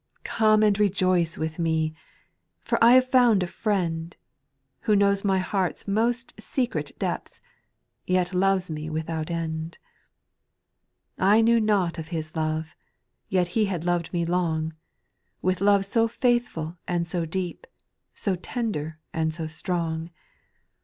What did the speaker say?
6. Come and rejoice with me ! For I have found a Friend, Who knows my heart's most secret depths, Yet loves me without end. 6. I knew not of His love ; Yet He had loved me long, With love so faithful and so deep, So tender and so strong.